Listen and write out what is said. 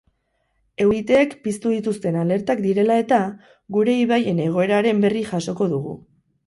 Euriteek piztu dituzten alertak direla eta, gure ibaien egoeraren berri jasoko dugu.